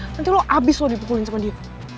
nanti lo habis lo dipukulin sama dia